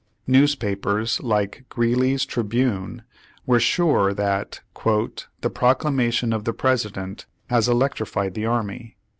Newspapers like Greeley's Trihime were sure that "The proclamation of the President has electrified the army."